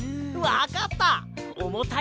わかった！